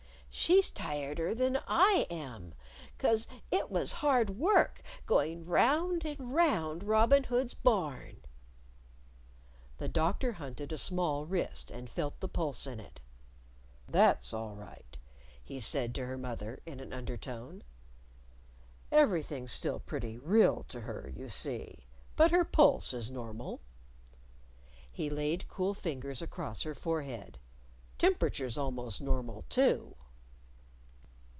"She's tireder than I am. 'Cause it was hard work going round and round Robin Hood's Barn." The Doctor hunted a small wrist and felt the pulse in it. "That's all right," he said to her mother in an undertone. "Everything's still pretty real to her, you see. But her pulse is normal," He laid cool fingers across her forehead. "Temperature's almost normal too."